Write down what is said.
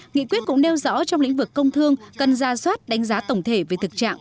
nghị quyết cũng nêu rõ trong lĩnh vực công thương cần ra soát đánh giá tổng thể về thực trạng